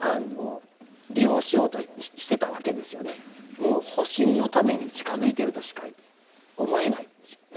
もう保身のために近づいてるとしか思えないですよね。